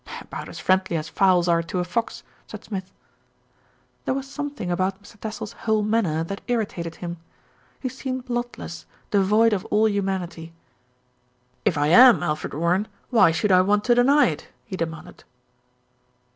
"About as friendly as fowls are to a fox," said Smith. MR. TASSELL IS SURPRISED 159 There was something about Mr. Tassell's whole man ner that irritated him. He seemed bloodless, devoid of all humanity. "If I am Alfred Warren, why should I want to deny it?" he demanded.